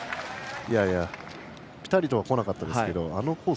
ぴたりとはこなかったですけどあのコース